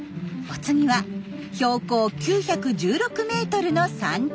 お次は標高９１６ｍの山頂で。